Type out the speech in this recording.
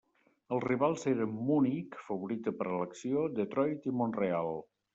Els rivals eren Munic —favorita per a l'elecció—, Detroit i Mont-real.